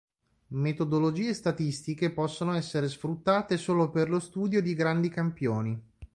Metodologie statistiche possono essere sfruttate solo per lo studio di grandi campioni.